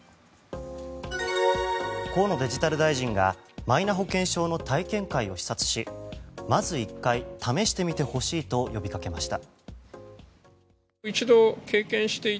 河野デジタル大臣がマイナ保険証の体験会を視察しまず１回試してみてほしいと呼びかけました。